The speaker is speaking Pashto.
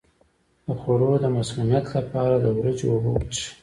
د خوړو د مسمومیت لپاره د وریجو اوبه وڅښئ